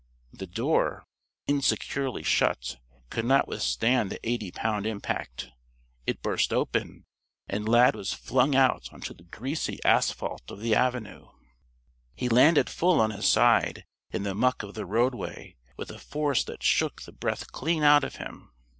The door, insecurely shut, could not withstand the eighty pound impact. It burst open. And Lad was flung out onto the greasy asphalt of the avenue. He landed full on his side, in the muck of the roadway, with a force that shook the breath clean out of him.